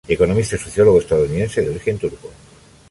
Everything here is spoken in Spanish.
Economista y sociólogo estadounidense de origen turco.